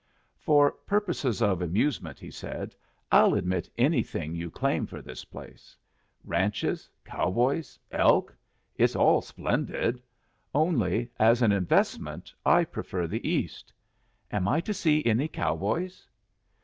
"For purposes of amusement," he said, "I'll admit anything you claim for this place. Ranches, cowboys, elk; it's all splendid. Only, as an investment I prefer the East. Am I to see any cowboys?"